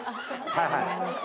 はいはい。